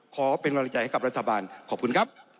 ขอเป็นกำลังใจให้กับรัฐบาลขอบคุณครับ